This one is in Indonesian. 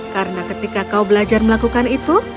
karena ketika kau belajar melakukan itu